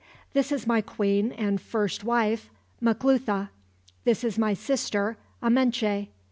This is my queen and first wife, Maclutha. This is my sister, Amenche.